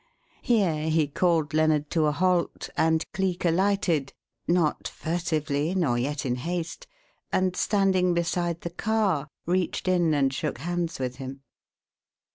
Here he called Lennard to a halt, and Cleek alighted not furtively, nor yet in haste and, standing beside the car, reached in and shook hands with him.